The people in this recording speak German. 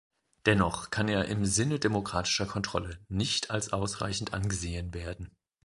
Dennoch kann er im Sinne demokratischer Kontrolle nicht als ausreichend angesehen werden.